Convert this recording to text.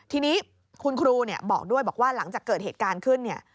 ทีนี้คุณครูบอกด้วยบอกว่าหลังจากเกิดเหตุการณ์ขึ้นเนี่ย